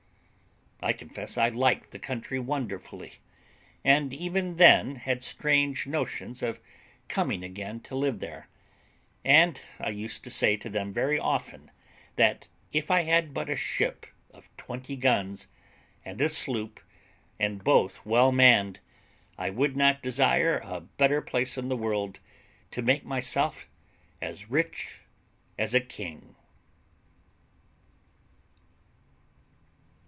I confess I liked the country wonderfully, and even then had strange notions of coming again to live there; and I used to say to them very often that if I had but a ship of twenty guns, and a sloop, and both well manned, I would not desire a better place in the world to make myself as rich as a king.